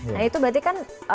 nah itu berarti kan